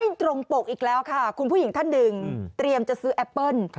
ตรงปกอีกแล้วค่ะคุณผู้หญิงท่านหนึ่งเตรียมจะซื้อแอปเปิ้ล